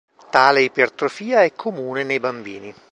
Tale ipertrofia è comune nei bambini.